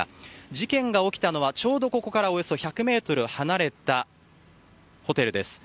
事件が起きたのはちょうどここからおよそ１００ｍ離れたホテルです。